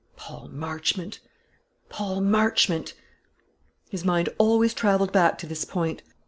Paul Marchmont! Paul Marchmont! His mind always travelled back to this point.